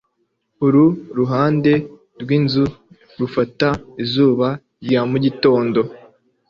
Uru ruhande rwinzu rufata izuba rya mugitondo.